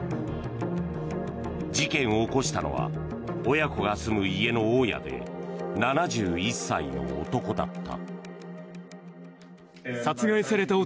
事件を起こしたのは親子が住む家の大家で７１歳の男だった。